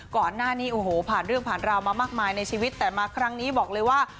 ก่อนหน้านี้โอ้โหผ่านเรื่องผ่านราวมามากมายในชีวิตแต่มาครั้งนี้บอกเลยว่า